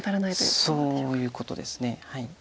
そういうことです。